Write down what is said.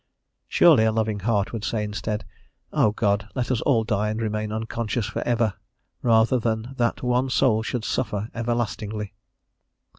Surely a loving heart would say, instead, "O God, let us all die and remain unconscious for ever, rather than that one soul should suffer everlastingly."